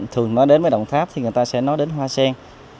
thường nói đến với đồng tháp thì người ta sẽ nói đến hoa sen